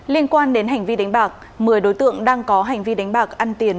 liên quan đến hành vi đánh bạc một mươi đối tượng đang có hành vi đánh bạc ăn tiền